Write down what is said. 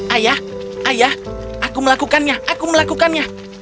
ayah ayah aku melakukannya aku melakukannya